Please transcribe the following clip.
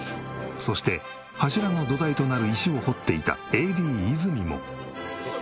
そして柱の土台となる石を掘っていたＡＤ泉も。